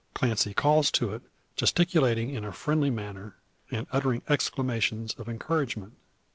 Clancy calls to it, gesticulating in a friendly manner, and uttering exclamations of encouragement.